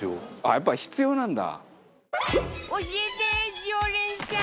やっぱ必要なんだ。